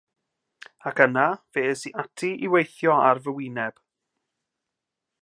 Ac yna, fe es i ati i weithio ar fy wyneb.